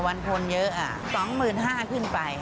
วันคนเยอะ๒๕๐๐ขึ้นไป